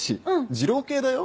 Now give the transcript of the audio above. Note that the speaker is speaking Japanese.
二郎系だよ？